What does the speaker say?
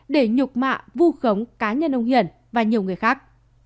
để nhục mạ vô khống cá nhân ông hiền và nhiều người khác